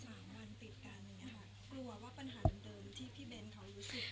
กลัวว่าปัญหาเดิมที่พี่เบนเขาอยู่สุด